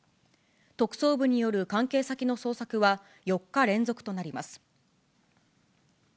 特捜部による関係先の捜索は４日連続となります。